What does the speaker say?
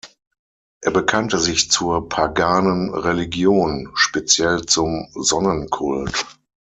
Er bekannte sich zur paganen Religion, speziell zum Sonnenkult.